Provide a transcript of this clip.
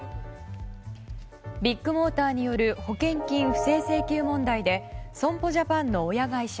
ビッグモーターによる保険金不正請求問題で損保ジャパンの親会社